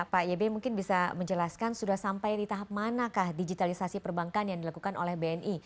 pak yb mungkin bisa menjelaskan sudah sampai di tahap manakah digitalisasi perbankan yang dilakukan oleh bni